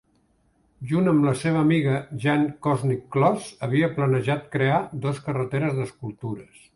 Junt amb la seva amiga Jeanne Kosnick-Kloss havia planejat crear dos carreteres d'escultures.